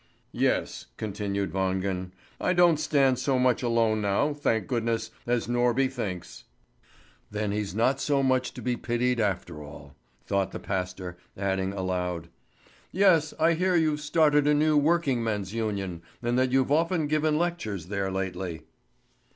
"Yes," continued Wangen, "I don't stand so much alone now, thank goodness, as Norby thinks." "Then he's not so much to be pitied after all," thought the pastor, adding aloud: "Yes, I hear you've started a new working men's union, and that you've often given lectures there lately."